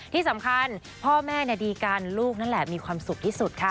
ที่สำคัญพ่อแม่ดีกันลูกนั่นแหละมีความสุขที่สุดค่ะ